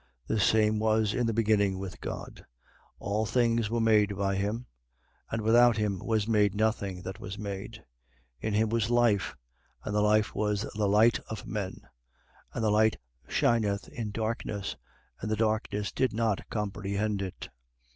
1:2. The same was in the beginning with God. 1:3. All things were made by him: and without him was made nothing that was made. 1:4. In him was life: and the life was the light of men. 1:5. And the light shineth in darkness: and the darkness did not comprehend it.